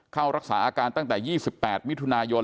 เข้ารักษาอาการตั้งแต่๒๘มิถุนายน